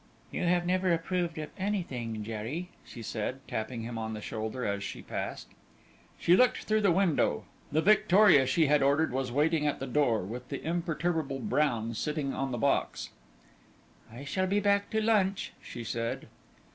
"You have never approved of anything, Jerry," she said, tapping him on the shoulder as she passed. She looked through the window; the victoria she had ordered was waiting at the door, with the imperturbable Brown sitting on the box. "I shall be back to lunch," she said.